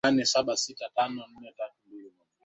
Mwanamke wa kimasai Kuolewa na wanaume wengi pia kunakubaliwa